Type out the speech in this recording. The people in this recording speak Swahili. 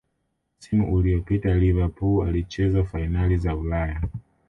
msimu uliyopita liverpool ilicheza fainali za ulaya